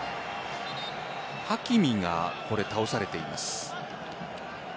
ハキミが倒されています。